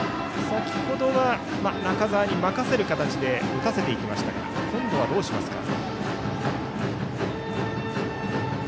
先ほどは、中澤に任せる形で打たせていきましたが今度はどうしますか。